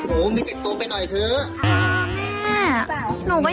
อยู่นี่หุ่นใดมาเพียบเลย